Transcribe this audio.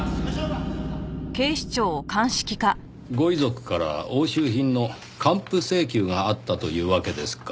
ご遺族から押収品の還付請求があったというわけですか。